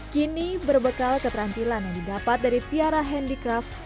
kini berbekal keterampilan yang didapat dari tiara handicraft